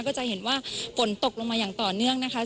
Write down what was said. ก็จะเห็นว่าฝนตกลงมาอย่างต่อเนื่องนะคะ